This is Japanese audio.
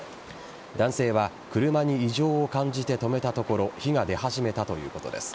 男性は車に異常を感じて止めたところ火が出始めたということです。